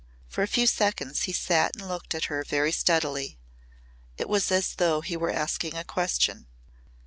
For a few seconds he sat and looked at her very steadily. It was as though he were asking a question.